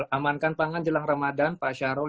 amankan pangan jelang ramadan pak syahrul